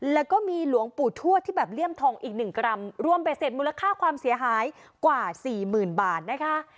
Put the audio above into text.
แล้วก็มีหลวงปู่ทวดที่แบบเลี่ยมทองอีกหนึ่งกรัมรวมเบ็ดเสร็จมูลค่าความเสียหายกว่าสี่หมื่นบาทนะคะ